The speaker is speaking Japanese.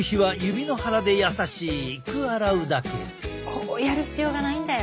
こうやる必要がないんだよ。